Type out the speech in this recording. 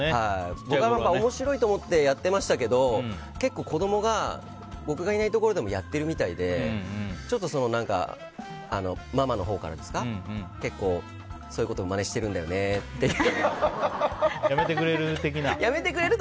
面白いと思ってやってましたけど結構、子供が僕がいないところでもやっているみたいでちょっとママのほうからですか結構そういうことやめてくれる？的な。